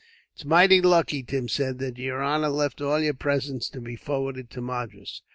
"It's mighty lucky," Tim said, "that yer honor left all your presents to be forwarded to Madras.